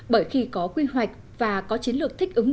bởi khi có quy hoạch và có chiến lược thích ứng